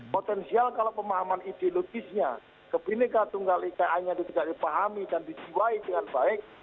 potensial kalau pemahaman ideologisnya kebenekaan tunggal ika yang tidak dipahami dan dijiwai dengan baik